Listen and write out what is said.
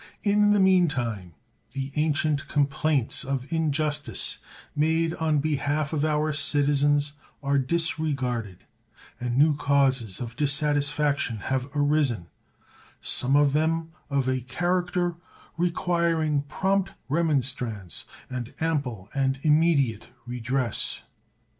In the mean time the ancient complaints of injustice made on behalf of our citizens are disregarded, and new causes of dissatisfaction have arisen, some of them of a character requiring prompt remonstrance and ample and immediate redress.